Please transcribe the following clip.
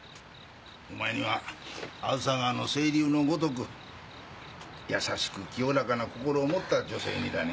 お前には梓川の清流のごとく優しく清らかな心を持った女性にだね。